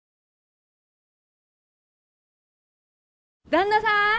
旦那さん！